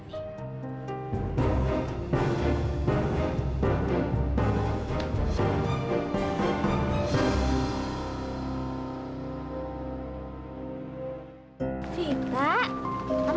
jangan asal dengan dua persatunya